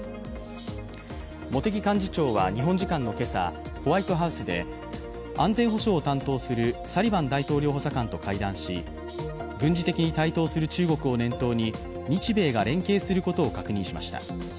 茂木幹事長は日本時間のけさ、ホワイトハウスで安全保障を担当するサリバン大統領補佐官と会談し、軍事的に台頭する中国を念頭に日米が連携することを確認しました。